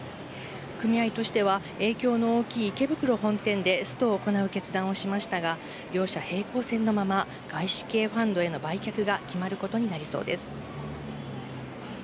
組合としては、影響の大きい池袋本店で、ストを行う決断をしましたが、両者、平行線のまま、外資系ファンドへの売却が決まることになりそうです。